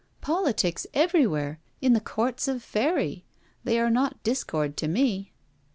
'Politics everywhere! in the Courts of Faery! They are not discord to me.'